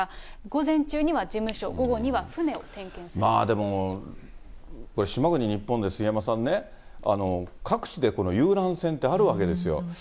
午前中には事務所、午後には船をでも、島国日本で、杉山さんね、各地で遊覧船ってあるわけですよ。